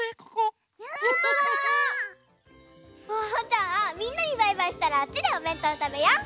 じゃあみんなにバイバイしたらあっちでおべんとうたべよう。